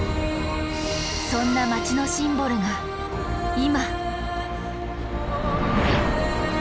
そんな街のシンボルが今。